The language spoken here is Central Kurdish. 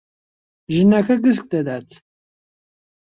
ژنەکە گسک دەدات.